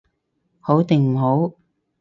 好定唔好？